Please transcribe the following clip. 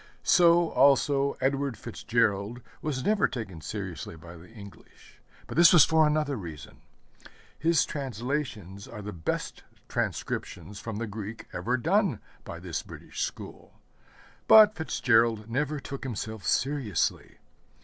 So, also, Edward FitzGerald was never taken seriously by the English; but this was for another reason. His translations are the best transcriptions from the Greek ever done by this British school; but FitzGerald never took himself seriously.